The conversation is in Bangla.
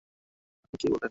আপনি কি বললেন?